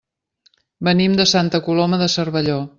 Venim de Santa Coloma de Cervelló.